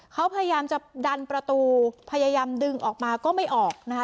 เขาพยายามจะดันประตูพยายามดึงออกมาก็ไม่ออกนะคะ